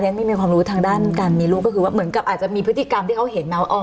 ฉันไม่มีความรู้ทางด้านการมีลูกก็คือว่าเหมือนกับอาจจะมีพฤติกรรมที่เขาเห็นไหมว่าอ๋อ